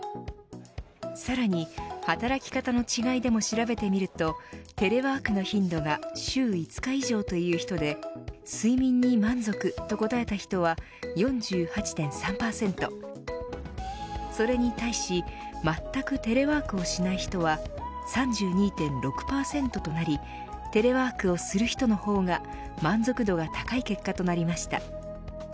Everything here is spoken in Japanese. さらに働き方の違いでも調べてみるとテレワークの頻度が週５日以上という人で睡眠に満足、と答えた人は４８．３％それに対しまったくテレワークをしない人は３２．６％となりテレワークをする人のほうが満足度が高い結果となりました。